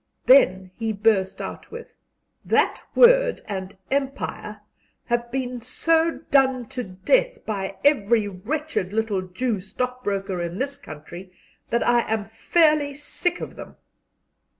Then he burst out with, "That word and 'Empire' have been so done to death by every wretched little Jew stockbroker in this country that I am fairly sick of them."